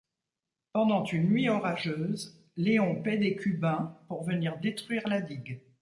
Pendant une nuit orageuse, Léon paie des cubains pour venir détruire la digue.